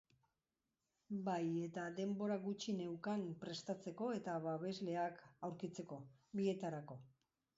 Bai, eta denbora gutxi neukan prestatzeko eta babesleak aurkitzeko, bietarako.